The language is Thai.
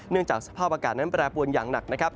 จากสภาพอากาศนั้นแปรปวนอย่างหนักนะครับ